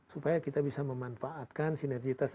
supaya kita bisa memanfaatkan sinergitas